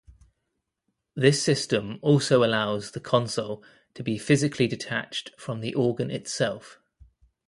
This system also allows the console to be physically detached from the organ itself.